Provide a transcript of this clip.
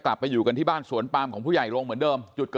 กลับไปอยู่กันที่บ้านสวนปามของผู้ใหญ่โรงเหมือนเดิม